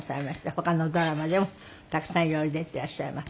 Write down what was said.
他のドラマでもたくさん色々出ていらっしゃいます。